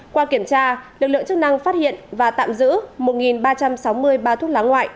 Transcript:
qua kiểm tra lực lượng chức năng phát hiện và tạm giữ một ba trăm sáu mươi bao thuốc lá ngoại